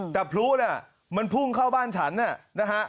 แต่พลุน่ะมันพุ่งเข้าบ้านฉันนะฮะ